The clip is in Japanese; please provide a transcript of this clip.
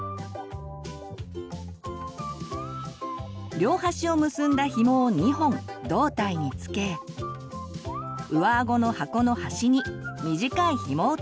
両端を結んだひもを２本胴体に付け上あごの箱の端に短いひもを付けます。